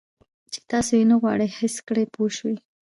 چې تاسو یې نه غواړئ حس کړئ پوه شوې!.